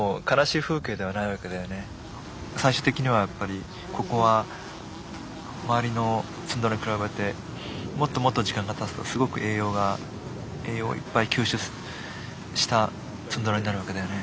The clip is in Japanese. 最終的にはやっぱりここは周りのツンドラに比べてもっともっと時間がたつとすごく栄養が栄養をいっぱい吸収したツンドラになるわけだよね。